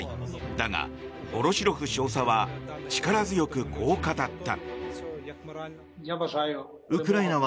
だが、ヴォロシロフ少佐は力強くこう語った。